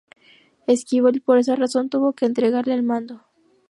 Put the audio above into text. Esquivel, por esa razón, tuvo que entregarle el mando.